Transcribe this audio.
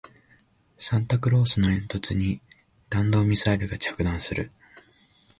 サンタクロースの煙突に弾道ミサイルが着弾する